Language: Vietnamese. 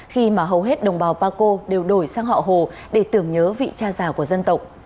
khi mà hầu hết đồng bào paco đều đổi sang họ hồ để tưởng nhớ vị cha già của dân tộc